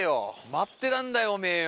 待ってたんだよお前よ。